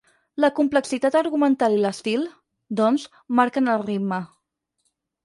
La complexitat argumental i l'estil, doncs, marquen el ritme.